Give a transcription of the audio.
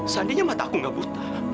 seandainya mata aku nggak buta